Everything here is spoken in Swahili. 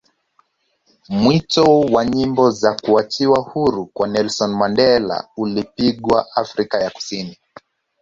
mwito wa nyimbo za kuachiwa huru kwa Nelson Mandela ulipigwa Afrika ya kusini